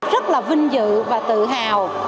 rất là vinh dự và tự hào